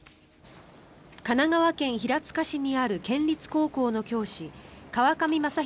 神奈川県平塚市にある県立高校の教師河上将大